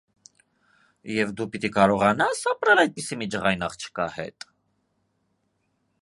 - Եվ դու պիտի կարողանա՞ս ապրել այդպիսի մի ջղային աղջկա հետ: